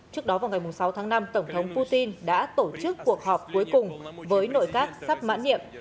trước đó vào ngày sáu tháng năm tổng thống putin đã tổ chức cuộc họp cuối cùng với nội các sắp mãn nhiệm